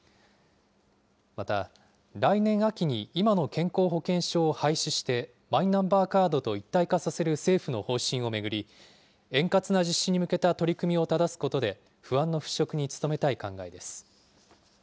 また、来年秋に今の健康保険証を廃止して、マイナンバーカードと一体化させる政府の方針を巡り、円滑な実施に向けた取り組みをただすことで、不安の払拭に努めたい考えです。